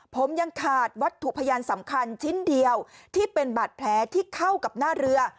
ผมยังขาดวัตถุพยานสำคัญชิ้นเดียวที่เป็นบาดแผลที่เข้ากับหน้าเรือ